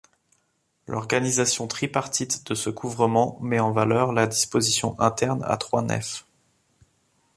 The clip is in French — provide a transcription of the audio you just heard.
L'organisation tripartite de ce couvrement met en valeur la disposition interne à trois nefs.